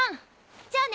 じゃあね！